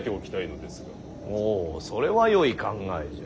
おうそれはよい考えじゃ。